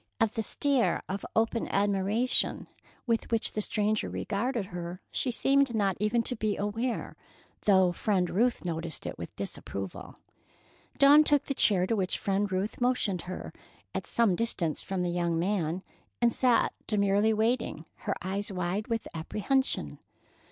Of the stare of open admiration with which the stranger regarded her, she seemed not even to be aware, though Friend Ruth noticed it with disapproval. Dawn took the chair to which Friend Ruth motioned her, at some distance from the young man, and sat demurely waiting, her eyes wide with apprehension.